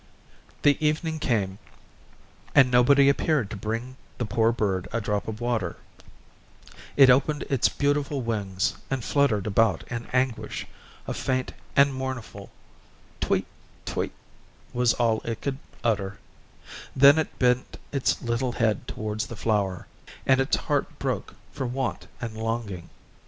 The evening came, and nobody appeared to bring the poor bird a drop of water; it opened its beautiful wings, and fluttered about in its anguish; a faint and mournful "Tweet, tweet," was all it could utter, then it bent its little head towards the flower, and its heart broke for want and longing.